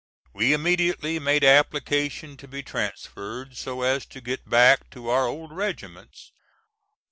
We immediately made application to be transferred, so as to get back to our old regiments.